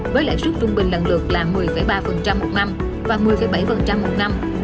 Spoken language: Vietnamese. với lại suất trung bình lận lượt là một mươi ba một năm và một mươi bảy một năm